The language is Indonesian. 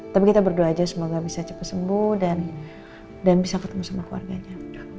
tapi kita berdoa aja semoga bisa cepat sembuh dan bisa ketemu sama keluarganya